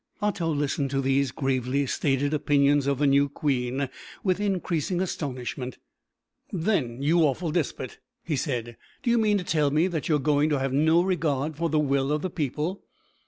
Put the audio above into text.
Otto listened to these gravely stated opinions of the new queen with increasing astonishment. "Then, you awful despot," he said, "do you mean to tell me that you are going to have no regard for the will of the people?"